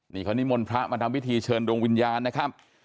นี่เขานิมนต์พระมาทำพิธีเชิญดวงวิญญาณนะครับ